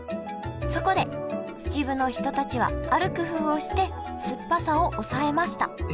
そこで秩父の人たちはある工夫をして酸っぱさをおさえました。